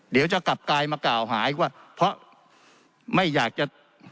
เดี๋ยวจะกลับกลายมากล่าวหาอีกว่าเพราะไม่อยากจะ